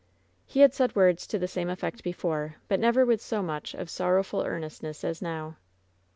He had said words to the same effect before, but nevw with so much of sorrowful earnestness as now.